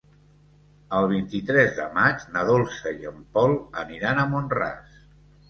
El vint-i-tres de maig na Dolça i en Pol aniran a Mont-ras.